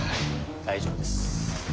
大丈夫です。